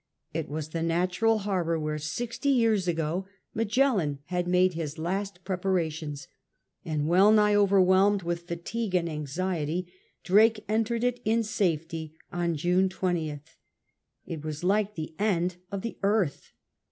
It was the natural harbour where sixty years ago Magellan had made his last preparations ; and well nigh overwhelmed with fatigue and anxiety, Drake entered it in safety on June 20th. It was like the end of the earth.